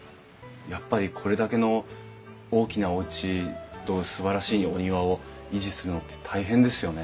やっぱりこれだけの大きなおうちとすばらしいお庭を維持するのって大変ですよね。